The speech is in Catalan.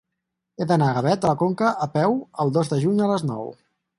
He d'anar a Gavet de la Conca a peu el dos de juny a les nou.